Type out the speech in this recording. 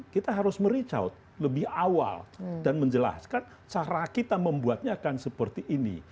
kita harus mericau lebih awal dan menjelaskan cara kita membuatnya akan seperti ini